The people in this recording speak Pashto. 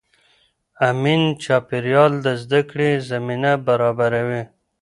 امن چاپېریال د زده کړې زمینه برابروي.